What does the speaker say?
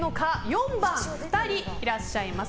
４番、２人いらっしゃいます。